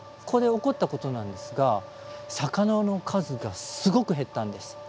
ここで起こったことなんですが魚の数がすごく減ったんです。